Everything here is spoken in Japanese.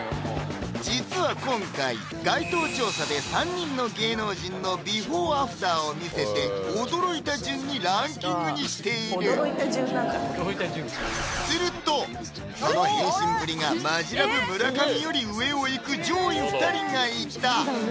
実は今回街頭調査で３人の芸能人のＢｅｆｏｒｅＡｆｔｅｒを見せて驚いた順にランキングにしている驚いた順なんだするとその変身ぶりが「マヂラブ」・村上より上をいく上位２人がいた！